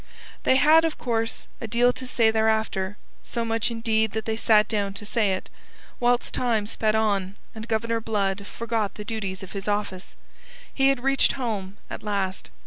They had, of course, a deal to say thereafter, so much, indeed, that they sat down to say it, whilst time sped on, and Governor Blood forgot the duties of his office. He had reached home at last.